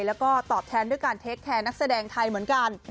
แล้วก็ตอบแทนด้วยการเทคแคร์นักแสดงไทยเหมือนกัน